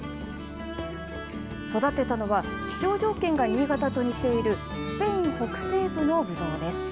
育てたのは、気象条件が新潟と似ているスペイン北西部のブドウです。